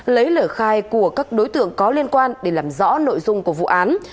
lấy lời khai của các đối tượng có liên quan để làm rõ nội dung của vụ án